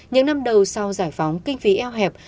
những năm đầu sau giải phóng kinh phí eo hẹp